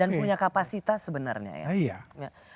dan punya kapasitas sebenarnya ya